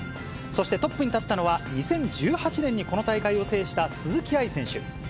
そしてトップに立ったのは、２０１８年にこの大会を制した鈴木愛選手。